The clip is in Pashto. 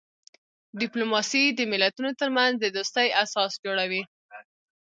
ډیپلوماسي د ملتونو ترمنځ د دوستۍ اساس جوړوي.